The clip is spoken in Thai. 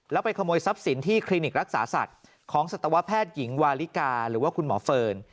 แล้วไปขโมยทรัพย์สินที่คลินิกรักษาสัตว์ของสัตวแพทย์หญิงวาลิกาหรือว่าคุณหมอเฟิร์น